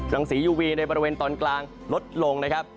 สียูวีในบริเวณตอนกลางลดลงนะครับ